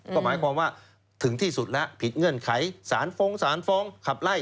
ก็หมายความว่าถึงที่สุดแล้วผิดเงื่อนไขสารฟ้องสารฟ้องขับไล่